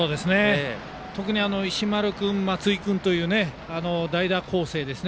特に石丸君、松井君という代打攻勢。